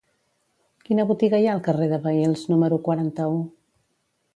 Quina botiga hi ha al carrer de Vehils número quaranta-u?